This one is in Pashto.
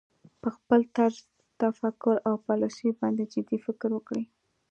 په خپل طرز تفکر او پالیسیو باندې جدي فکر وکړي